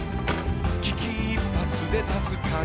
「危機一髪で助かる」